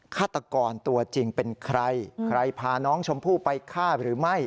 ฆาตกรตัวจริงเป็นใครใครพาน้องชมพู่ไปฆ่าหรือไม่